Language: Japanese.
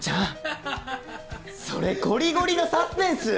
それゴリゴリのサスペンス！